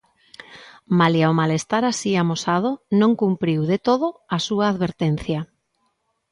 Malia o malestar así amosado non cumpriu, de todo, a súa advertencia.